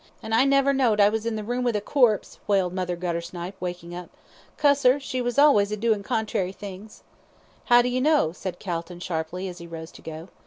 "An' I never knowd I was in the room with a corpse," wailed Mother Guttersnipe, waking up. "Cuss 'er, she was allays a doin' contrary things." "How do you know?" said Calton, sharply, as he rose to go.